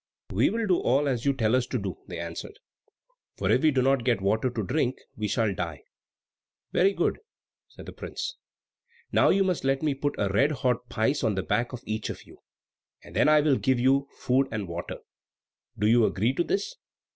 "We will do all you tell us to do," they answered, "for if we do not get water to drink, we shall die." "Very good," said the young prince. "Now you must let me put a red hot pice on the back of each of you, and then I will give you food and water. Do you agree to this?"